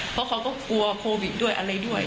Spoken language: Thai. เพราะเขาก็กลัวโควิดด้วยอะไรด้วย